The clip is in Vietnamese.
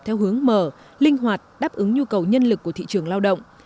theo hướng mở linh hoạt đáp ứng nhu cầu nhân lực của thị trường lao động